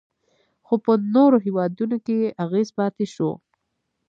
خو په نورو هیوادونو کې یې اغیز پاتې شو